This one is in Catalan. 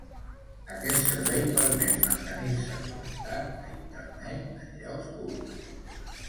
Aquest servei permet mantenir-se connectat a Internet en llocs públics.